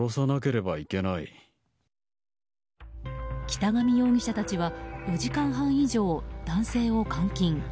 北上容疑者たちは４時間半以上、男性を監禁。